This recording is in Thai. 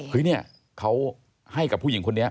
เนี่ยเขาให้กับผู้หญิงคนนี้